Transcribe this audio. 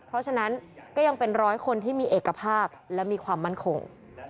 เพราะฉะนั้นก็ยังเป็นร้อยคนที่มีเอกภาพและมีความมั่นคง